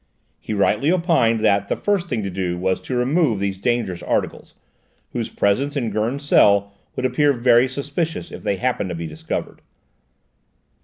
He rightly opined that the first thing to do was to remove these dangerous articles, whose presence in Gurn's cell would appear very suspicious if they happened to be discovered.